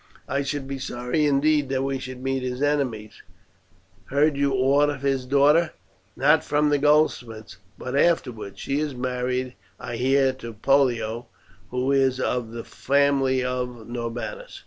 I should be sorry indeed that we should meet as enemies. Heard you aught of his daughter?" "Not from the goldsmith, but afterwards. She is married, I hear, to Pollio, who is of the family of Norbanus."